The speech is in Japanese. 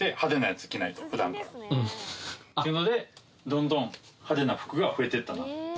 っていうのでどんどん派手な服が増えてったな。